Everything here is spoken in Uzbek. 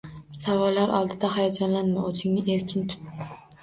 Savollar oldida hayajonlanma, oʻzingni erkin tut!